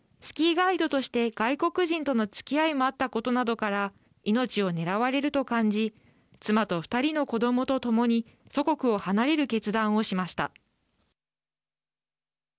スキーガイドとして、外国人とのつきあいもあったことなどから命を狙われると感じ妻と２人の子どもと共に祖国を離れる決断をしました。